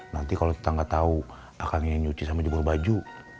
nanti kalau tetangga tahu aku ingin nyuci sama jemur baju